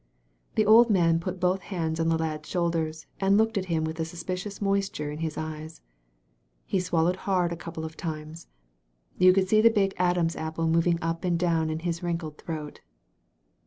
*' The old man put both hands on the lad*s shoul ders and looked at him with a suspicious moisture in his eyes. He swallowed hard a couple of times. You could see the big Adam's apple moving up and down in his wrinkled throat.